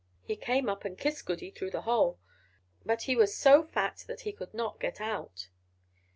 He came up and kissed Goody through the hole; but he was so fat that he could not get out.